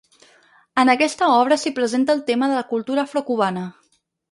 En aquesta obra s'hi presenta el tema de la cultura afro-cubana.